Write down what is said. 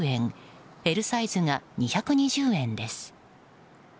Ｌサイズが２２０円です。